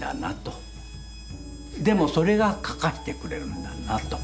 でもそれが描かせてくれるんだなと。